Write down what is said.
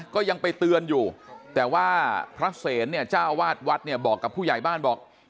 ก็ยังไปเตือนอยู่แต่ว่าพระเสนเนี่ยเจ้าวาดวัดเนี่ยบอกกับผู้ใหญ่บ้านบอก